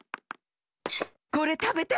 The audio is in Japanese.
これたべて！